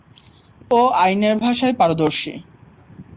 ও আইনের ভাষায় পারদর্শী।